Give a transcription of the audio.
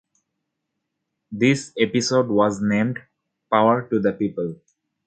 This episode was named "Power to the People".